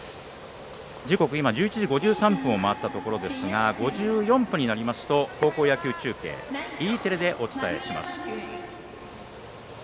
時刻１１時５３分を回ったところですが５４分になりますと高校野球中継Ｅテレでお伝えします。